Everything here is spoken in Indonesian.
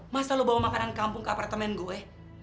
masa lo bawa makanan kampung ke apartemen gue